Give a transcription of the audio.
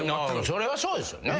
それはそうですよね。